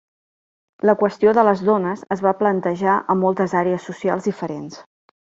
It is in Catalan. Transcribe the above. La qüestió de les dones es va plantejar en moltes àrees socials diferents.